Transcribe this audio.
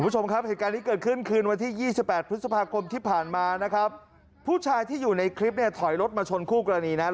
ชื่อนำคุณพี่